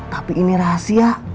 tapi ini rahasia